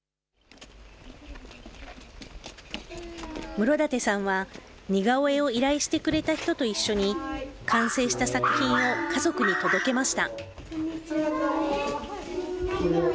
室舘さんは、似顔絵を依頼してくれた人と一緒に、完成した作品を家族に届けました。